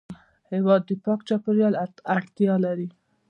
هېواد د پاک چاپېریال اړتیا لري.